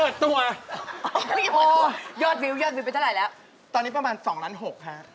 อะขอบคุณกันนะครับสามารถครับ